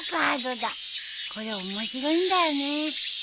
これ面白いんだよね。